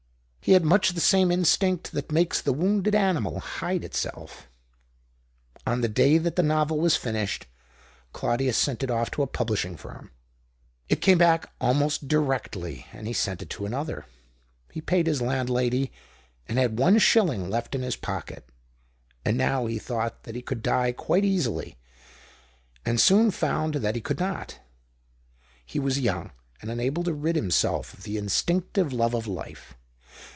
He had much the same instinct that makes the wounded animal hide itself. On the day that the novel was finished, Claudius sent it off to a publishing firm. It came back almost directly, and he sent it to another. He paid his landlady, and had one shilling left in his pocket. And now he thought that he could die quite easily, and soon found that he could not. He was young, and unable to rid himself of the instinctive love of life.